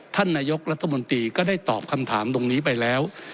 ท่านนายกรัฐมนตรีก็ได้ตอบคำถามตรงนี้ไปแล้ว